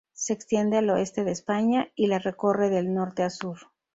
Se extiende al oeste de España, y la recorre de norte a sur.